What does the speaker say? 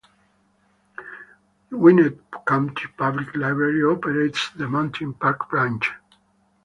Gwinnett County Public Library operates the Mountain Park Branch.